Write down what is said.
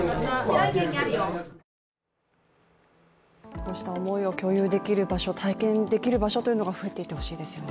こうした思いを共有できる場所、体験できる場所が増えていってほしいですよね。